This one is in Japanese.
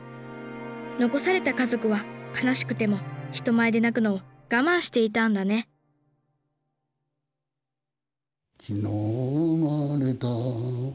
残された家族は悲しくても人前で泣くのを我慢していたんだね「昨日生まれた」